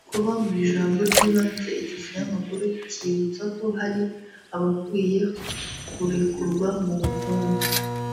Kuba mu ijambo ry’ibanze iki kinyamakuru kibutsa ko hari abakwiye kurekurwa mu mfungwa